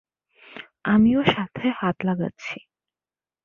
আমিও সাথে হাত লাগাচ্ছি।